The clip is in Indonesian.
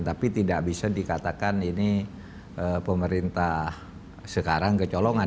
tapi tidak bisa dikatakan ini pemerintah sekarang kecolongan